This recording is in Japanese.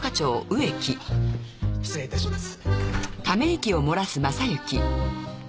失礼いたします。